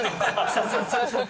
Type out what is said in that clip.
そうそうそうそう。